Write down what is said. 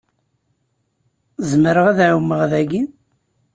Zemreɣ ad ɛummeɣ dagi?